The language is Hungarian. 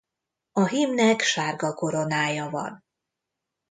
A hímnek sárga koronája van.